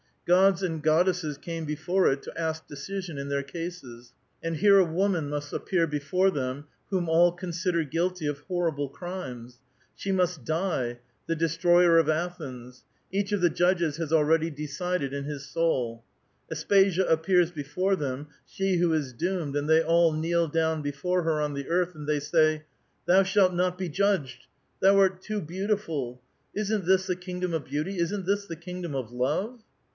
Gods and goddesses came before it to ask decision in their cases. And here a woman must appear before them, whom all consider guilty of horrible crimes ; she must die, the destroyer of Athens ; each of the judges has already decided in his soul ; Aspasia appears before them, she who is doomed, and they all kneel down before her on the earth, and they say, ''Thou Shalt not be judged. Thou art too beautiful. Isn't this the kingdom of beauty ? isn't this the kingdom of love